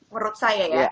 menurut saya ya